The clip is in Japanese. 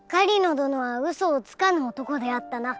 どのは嘘をつかぬ男であったな。